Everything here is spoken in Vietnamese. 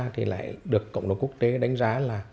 thì lại được cộng đồng quốc tế đánh giá